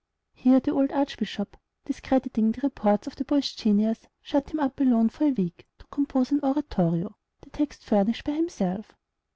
Here the cold archbishop, discrediting the reports of the boy's genius, shut him up alone for a week to compose an oratorio, the text furnished by himself.